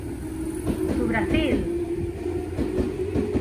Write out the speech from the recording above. To Brazil!